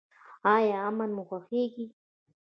ایا امن مو خوښیږي؟